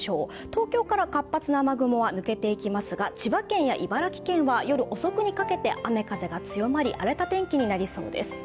東京から活発な雨雲は抜けていきますが、千葉県や茨城県は夜遅くにかけて雨・風が強まり荒れた天気になりそうです。